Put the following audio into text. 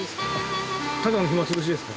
ただの暇潰しですか？